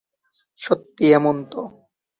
সত্যি, হেমন্ত।